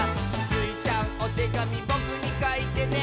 「スイちゃん、おてがみぼくにかいてね」